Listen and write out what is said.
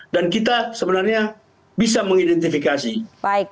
dan kita sebenarnya bisa mengidentifikasikan